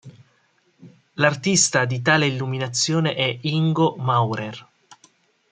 L'artista di tale illuminazione è Ingo Maurer.